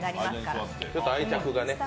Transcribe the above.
ちょっと愛着がね。